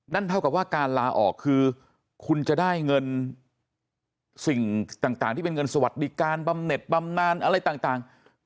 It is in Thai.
เท่ากับว่าการลาออกคือคุณจะได้เงินสิ่งต่างที่เป็นเงินสวัสดิการบำเน็ตบำนานอะไรต่าง